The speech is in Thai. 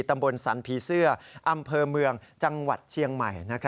ตำบลสันผีเสื้ออำเภอเมืองจังหวัดเชียงใหม่